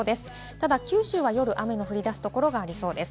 ただ九州は夜、雨の降り出すところがありそうです。